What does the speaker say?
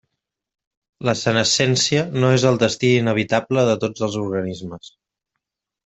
La senescència no és el destí inevitable de tots els organismes.